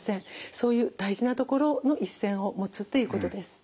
そういう大事なところの一線を持つっていうことです。